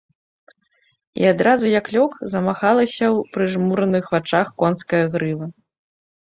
І адразу, як лёг, замахалася ў прыжмураных вачах конская грыва.